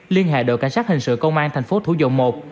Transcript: liên hệ đội cảnh sát hình sự công an thành phố thủ dầu một